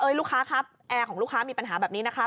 ลูกค้าครับแอร์ของลูกค้ามีปัญหาแบบนี้นะคะ